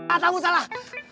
ah tau mu salah